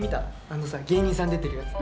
あのさ芸人さん出てるやつ。